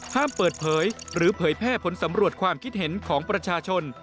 ห้ามเปิดเผยหรือเผยแพร่ผลสำรวจความคิดเห็นของประชาชน